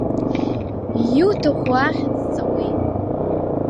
Иуҭаху ахьыӡҵа уи…